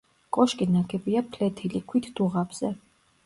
კოშკი ნაგებია ფლეთილი ქვით დუღაბზე.